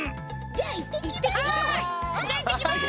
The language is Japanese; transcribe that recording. じゃあいってきます。